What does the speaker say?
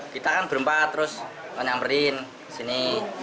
kita kan berempat terus menyamperin sini